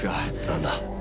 何だ？